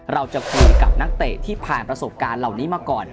เราจะคุยกับนักเตะที่ผ่านประสบการณ์เหล่านี้มาก่อน